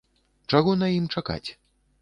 Чаго на ім чакаць?